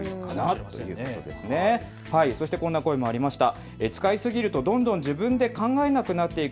そしてこんな声もありました。